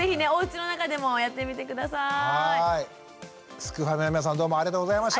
すくファミの皆さんどうもありがとうございました。